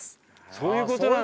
そういうことなんだ。